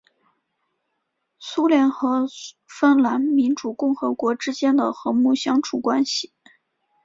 苏联和芬兰民主共和国之间和睦相处关系。